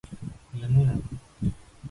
เรื่องเลื่อน